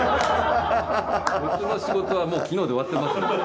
僕の仕事はもう昨日で終わってますので。